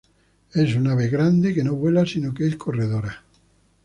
Es un ave grande que no vuela, sino que es corredora.